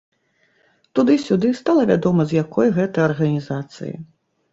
Туды-сюды, стала вядома з якой гэта арганізацыі.